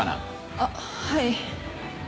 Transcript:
あっはい。